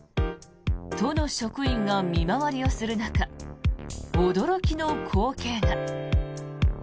都の職員が見回りをする中驚きの光景が。